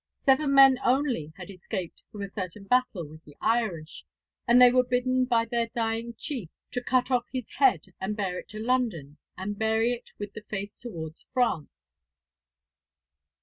Seven men only had escaped from a certain battle with the Irish, and they were bidden by their dying chief to cut off his head and bear it to London and bury it with the face towards France.